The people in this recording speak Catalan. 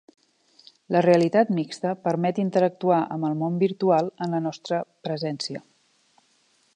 La realitat mixta permet interactuar amb el món virtual en la nostra presència.